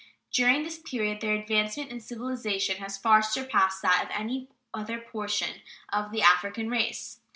During this period their advancement in civilization has far surpassed that of any other portion of the African race.